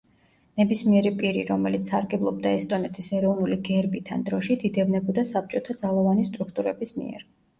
ნებისმიერი პირი, რომელიც სარგებლობდა ესტონეთის ეროვნული გერბით ან დროშით იდევნებოდა საბჭოთა ძალოვანი სტრუქტურების მიერ.